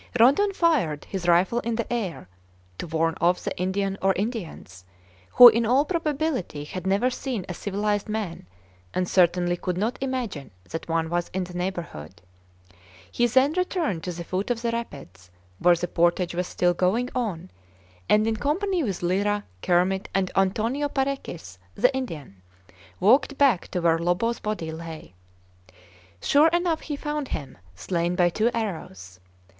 Rondon fired his rifle in the air, to warn off the Indian or Indians, who in all probability had never seen a civilized man, and certainly could not imagine that one was in the neighborhood. He then returned to the foot of the rapids, where the portage was still going on, and, in company with Lyra, Kermit, and Antonio Parecis, the Indian, walked back to where Lobo's body lay. Sure enough he found him, slain by two arrows.